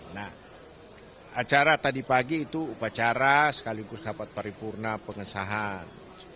nah acara tadi pagi itu upacara sekaligus rapat paripurna pengesahan